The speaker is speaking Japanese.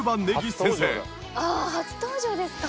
ああ初登場ですか。